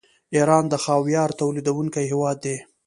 ایران د خاویار تولیدونکی هیواد دی.